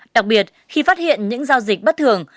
đặc biệt khi phát hiện những giao dịch bất thường